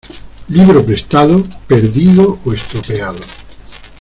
Libro prestado, perdido o estropeado.